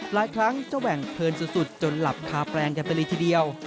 ครั้งเจ้าแหว่งเพลินสุดจนหลับคาแปลงกันไปเลยทีเดียว